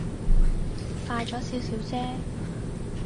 快咗少少啫